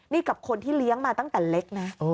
นี่กับคนที่เลี้ยงมาตั้งแต่เล็กนะ